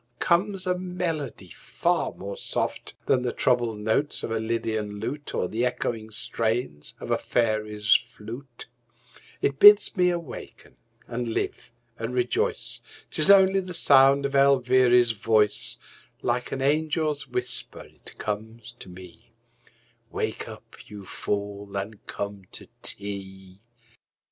comes a melody far more soft Than the troubled notes of a lydian lute Or the echoing strains of a fairy's flute; It bids me awaken and live and rejoice, 'Tis only the sound of Elviry's voice Like an angel's whisper it comes to me: "Wake up, you fool, and come to tea."